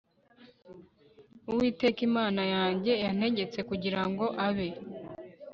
Uwiteka Imana yanjye yantegetse kugira ngo abe